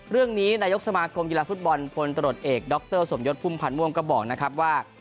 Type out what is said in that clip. เรื่องนี้นายกสมาคมกีฬาฟุตบอลพลตรวจเอกดรสมยศพุ่มพันธ์ม่วงก็บอกนะครับว่า